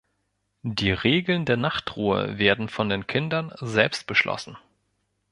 Die Regeln der Nachtruhe werden von den Kindern selbst beschlossen.